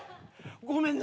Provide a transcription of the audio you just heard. ごめんな。